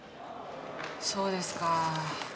そうですか。